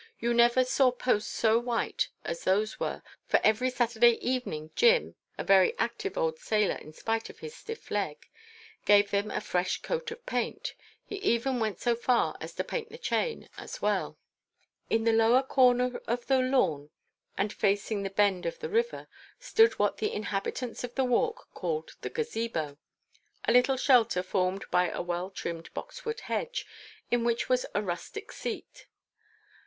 You never saw posts so white as those were, for every Saturday evening Jim—a very active old sailor in spite of his stiff leg—gave them a fresh coat of paint; he even went so far as to paint the chain as well. [Illustration: JIM,—A VERY ACTIVE OLD SAILOR IN SPITE OF HIS STIFF LEG] In the lower corner of the lawn, and facing the bend of the river, stood what the inhabitants of the Walk called the Gazebo, a little shelter formed by a well trimmed boxwood hedge, in which was a rustic seat.